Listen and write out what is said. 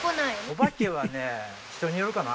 お化けはね人によるかな。